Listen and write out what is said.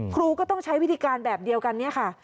ครูก็ต้องใช้วิธีการแบบเดียวกันเนี่ยค่ะ